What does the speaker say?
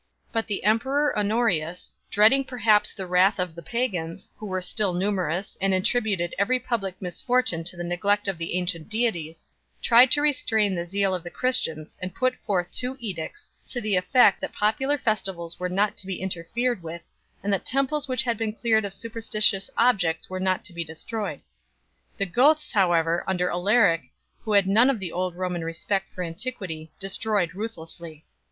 But the emperor Honorius, dread ing perhaps the wrath of the pagans, who were still numerous and attributed every public misfortune to the neglect of the ancient deities, tried to restrain the zeal of the Christians, and put forth two edicts 3 , to the effect that popular festivals were not to be interfered with, and that temples which had been cleared of superstitious ob jects were not to be destroyed. The Goths, however, under Alaric, who had none of the old Roman respect for antiquity, destroyed ruthlessly.